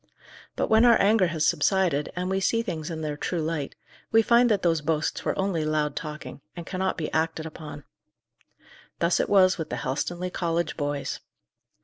But when our anger has subsided, and we see things in their true light, we find that those boasts were only loud talking, and cannot be acted upon. Thus it was with the Helstonleigh college boys.